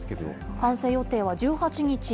完成予定は１８日。